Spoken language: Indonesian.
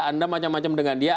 anda macam macam dengan dia